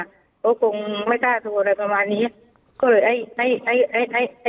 เขากงไม่กล้าโทรอะไรประมาณนี้ก็เลยให้ให้ให้ให้ให้ให้